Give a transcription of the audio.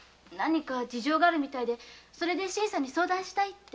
事情があるらしくそれで新さんに相談したいって。